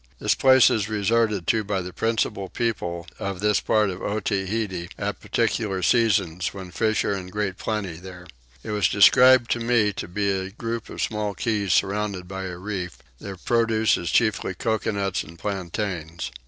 This place is resorted to by the principal people of this part of Otaheite at particular seasons when fish are in great plenty there. It was described to me to be a group of small keys surrounded by a reef: their produce is chiefly coconuts and plantains.